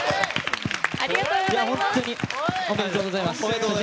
おめでとうございます。